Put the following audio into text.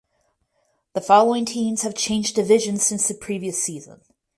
The following teams have changed division since the previous season.